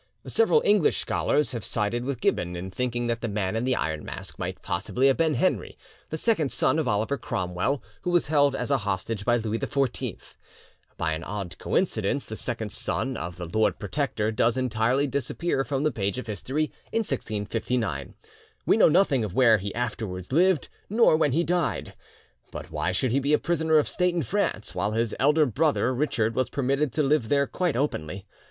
Several English scholars have sided with Gibbon in thinking that the Man in the Iron Mask might possibly have been Henry, the second son of Oliver Cromwell, who was held as a hostage by Louis XIV. By an odd coincidence the second son of the Lord Protector does entirely disappear from the page of history in 1659; we know nothing of where he afterwards lived nor when he died. But why should he be a prisoner of state in France, while his elder brother Richard was permitted to live there quite openly?